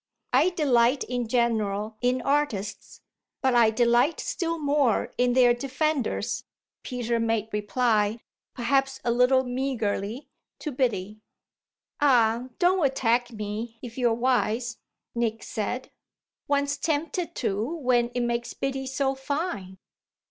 "I delight in general in artists, but I delight still more in their defenders," Peter made reply, perhaps a little meagrely, to Biddy. "Ah don't attack me if you're wise!" Nick said. "One's tempted to when it makes Biddy so fine."